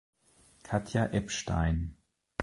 Katja Epstein